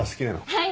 はい！